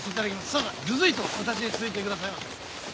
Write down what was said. さあさあずずいと私に続いてくださいませ。